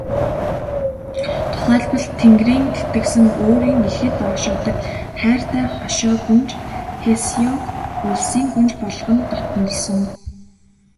Тухайлбал, Тэнгэрийн тэтгэсэн өөрийн ихэд ойшоодог хайртай хошой гүнж Хэсяог улсын гүнж болгон дотнолсон.